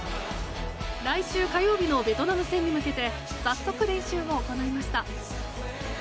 来週火曜日のベトナム戦に向けて早速、練習を行いました。